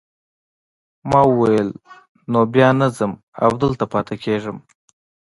ما وویل نو بیا نه ځم او دلته پاتې کیږم.